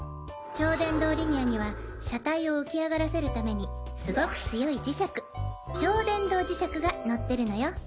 超電導リニアには車体を浮き上がらせるためにすごく強い磁石超電導磁石が載ってるのよ。